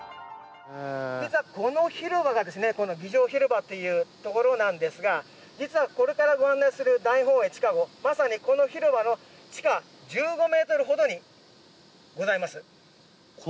実はこの広場が儀仗広場というところですが実はこれからご案内する大本営地下壕まさにこの広場の地下１５ｍほどにございます。